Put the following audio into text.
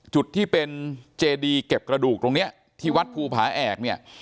จุดที่เป็นเจดีเก็บกระดูกตรงนี้ที่วัดภูผาแอกเนี่ย